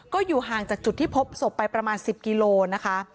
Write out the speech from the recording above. ก็อยู่ห่างจากจุดที่พบศพไปประมาณ๑๐กิโลนะคะ